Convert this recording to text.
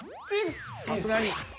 さすがに。